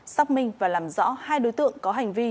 xác minh và làm rõ hai đối tượng có hành vi